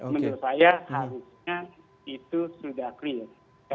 menurut saya harusnya itu sudah clear